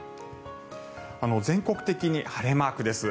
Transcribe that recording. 全国的に晴れマークです。